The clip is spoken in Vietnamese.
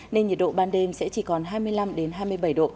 nên nhiệt độ ban đêm sẽ chỉ còn hai mươi năm hai mươi bảy độ